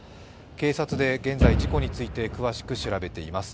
警察で現在、事故について詳しく調べています。